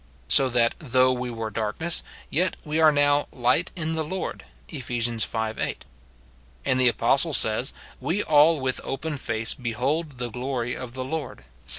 So that ' though we were darkness,' yet we are now 'light in the Lord,' Eph. v. 8. And the apostle says, ' We all with open face behold the glory of the Lord,' 2 Cor.